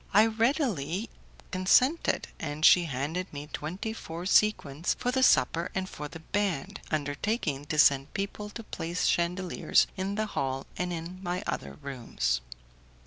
I readily consented, and she handed me twenty four sequins for the supper and for the band, undertaking to send people to place chandeliers in the hall and in my other rooms.